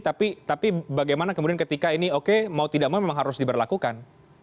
tapi bagaimana kemudian ketika ini oke mau tidak mau memang harus diberlakukan